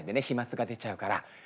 飛まつが出ちゃうから。